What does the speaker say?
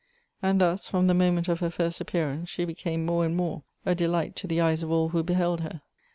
And thus, from the moment of her first appeal ance, she became more and more a delight to the eyes of all who beheld her.